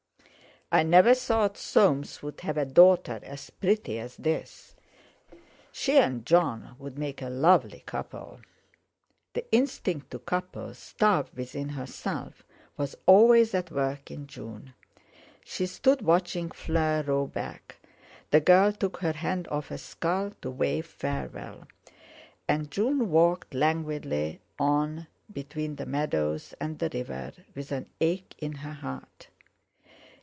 I never thought Soames would have a daughter as pretty as this. She and Jon would make a lovely couple. The instinct to couple, starved within herself, was always at work in June. She stood watching Fleur row back; the girl took her hand off a scull to wave farewell, and June walked languidly on between the meadows and the river, with an ache in her heart.